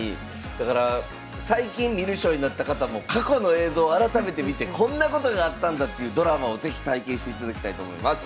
だから最近観る将になった方も過去の映像改めて見てこんなことがあったんだっていうドラマを是非体験していただきたいと思います。